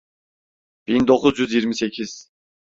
Bin dokuz yüz yirmi sekiz.